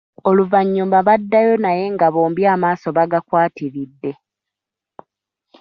Oluvanyuma baddayo naye nga bombi amaaso bagakwatiridde.